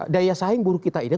daya saing buruh kita ini